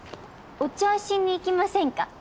お茶しに行きませんか？